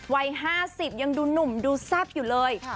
วัยห้าสิบยังดูหนุ่มดูซับอยู่เลย